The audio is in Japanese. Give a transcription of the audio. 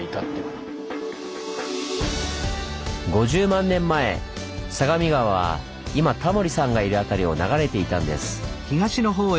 ５０万年前相模川は今タモリさんがいる辺りを流れていたんです。